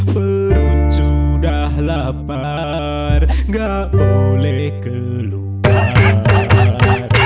perut sudah lapar gak boleh keluar